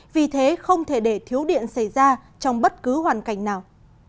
vì thế không thể để thiếu điện xảy ra trong bất cứ hoàn cảnh nào